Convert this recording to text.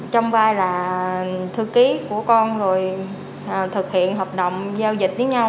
trong vai là thư ký của con rồi thực hiện hợp đồng giao dịch với nhau